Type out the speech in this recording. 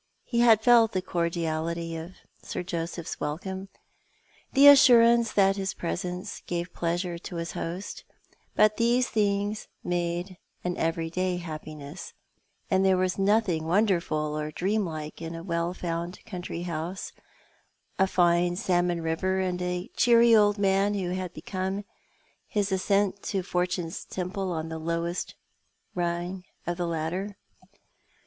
He had felt the cordiality of Sir Joseph's •welcome, the assurance that his presence gave pleasure to his host — but these things made an every day happiness, and thero was nothing wonderful or dream like in a well found country house, a fine salmon river, and a cheery old man who had begun his ascent to Fortune's Temple on the lowest rung of the ladder.